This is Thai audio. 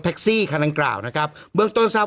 แคสซี่คณกล่าวนะครับเบื้องต้นทราบ